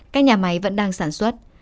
các nhà máy vẫn đang sản xuất